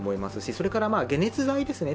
それから、解熱剤ですね。